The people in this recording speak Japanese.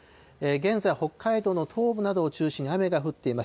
現在、北海道の東部などを中心に、雨が降っています。